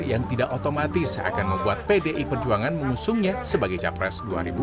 yang tidak otomatis akan membuat pdi perjuangan mengusungnya sebagai capres dua ribu dua puluh